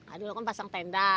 aduh kan pasang tenda